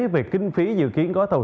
về kinh phí dự kiến có tổ chức